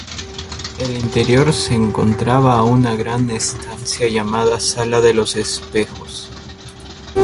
En el interior se encontraba una gran estancia llamada sala de los espejos.